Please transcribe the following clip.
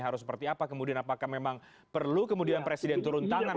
harus seperti apa kemudian apakah memang perlu kemudian presiden turun tangan